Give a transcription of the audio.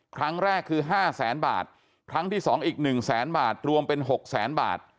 ครั้งแรกคือ๕แสนบาทครั้งที่๒อีก๑แสนบาทรวมเป็น๖แสนบาท